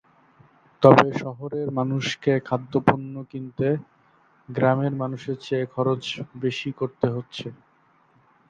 তবে শহরের মানুষকে খাদ্যপণ্য কিনতে গ্রামের মানুষের চেয়ে খরচ বেশি করতে হচ্ছে।